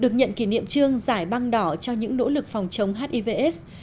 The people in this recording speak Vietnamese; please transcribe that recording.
được nhận kỷ niệm trương giải băng đỏ cho những nỗ lực phòng chống hivs